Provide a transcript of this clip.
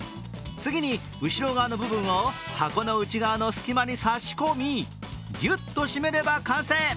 次に、後ろ側の部分を箱の内側の隙間に差し込み、ギュッと締めれば完成。